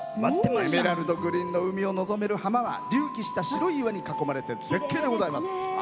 エメラルドグリーンの海を臨める浜は隆起した白い岩に囲まれて絶景でございます。